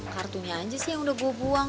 kartunya aja sih yang udah gue buang